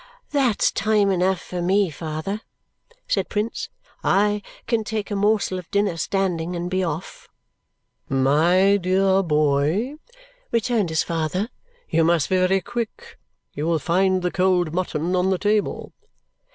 "That's time enough for me, father," said Prince. "I can take a morsel of dinner standing and be off." "My dear boy," returned his father, "you must be very quick. You will find the cold mutton on the table."